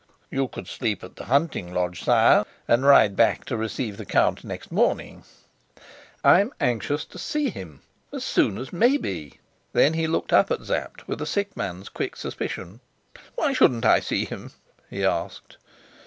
"You could sleep at the hunting lodge, sire, and ride back to receive the count next morning." "I'm anxious to see him as soon as may be." Then he looked up at Sapt with a sick man's quick suspicion. "Why shouldn't I see him?" he asked.